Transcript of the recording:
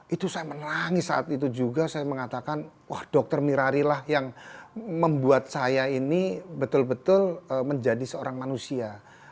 itu saya menangis saat itu juga saya mengatakan wah dr mirari lah yang membuat saya ini betul betul menjadi seorang manusia